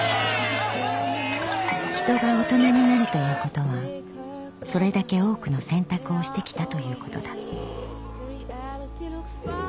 ［人が大人になるということはそれだけ多くの選択をしてきたということだ］